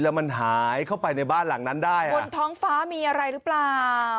แล้วมันหายเข้าไปในบ้านหลังนั้นได้บนท้องฟ้ามีอะไรหรือเปล่า